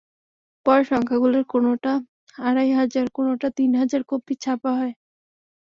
পরের সংখ্যাগুলোর কোনোটা আড়াই হাজার, কোনোটা তিন হাজার কপি ছাপা হয়।